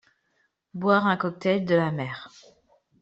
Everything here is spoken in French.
Boire un cocktail de la mer.